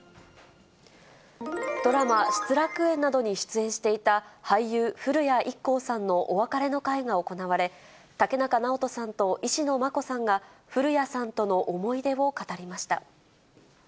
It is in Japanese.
ドラマ、失楽園などに出演していた俳優、古谷一行さんのお別れの会が行われ、竹中直人さんと石野真子さんが古谷さんとの思い出を語りました。